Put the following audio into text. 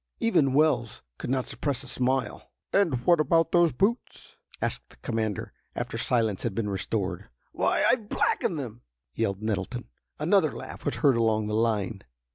Even Wells could not suppress a smile. "And what about those boots?" asked the commander, after silence had been restored. "Why, I've blacked them!" yelled Nettleton. Another laugh was heard along the line.